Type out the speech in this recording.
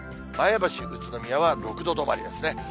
前橋、宇都宮は６度止まりですね。